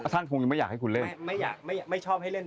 ท่านคงยังไม่อยากให้คุณเล่น